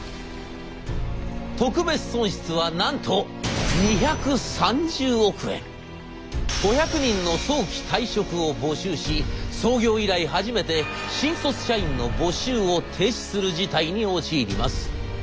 特別損失はなんと５００人の早期退職を募集し創業以来初めて新卒社員の募集を停止する事態に陥ります。